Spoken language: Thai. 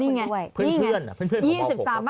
นี่ไงเพื่อนของม๖กลับไป